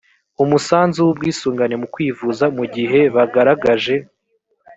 umusanzu w ubwisungane mu kwivuza mu gihe bagaragaje